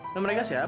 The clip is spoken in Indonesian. nah mereka siapa